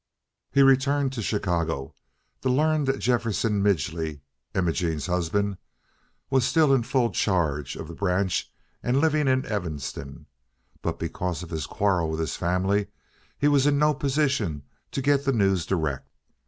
He returned to Chicago to learn that Jefferson Midgely, Imogene's husband, was still in full charge of the branch and living in Evanston, but because of his quarrel with his family he was in no position to get the news direct.